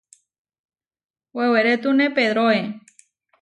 Wewerétune Pedróe.